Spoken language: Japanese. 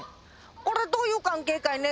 これどういう関係かいね？